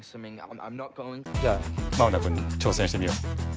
じゃあマウナくん挑戦してみよう。